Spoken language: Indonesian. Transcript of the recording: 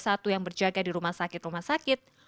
satu yang berjaga di rumah sakit rumah sakit